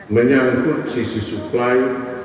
menyangkut sisi supply